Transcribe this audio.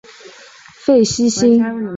费希新萨托菌是费氏曲霉的有性型。